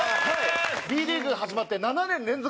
Ｂリーグ始まって７年連続